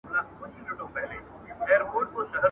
ویل بیا لېوني سوي محتسب او زاهد دواړه ..